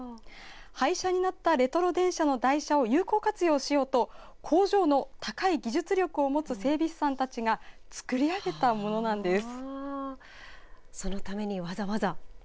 廃車になったレトロ電車の台車を有効活用しようと工場の高い技術力を持つ整備士さんたちがつくり上げたものなんです。